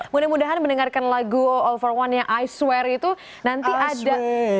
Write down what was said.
mudah mudahan mendengarkan lagu all for one nya i swear itu nanti ada